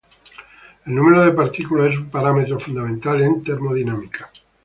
El número de partículas es un parámetro fundamental en termodinámica.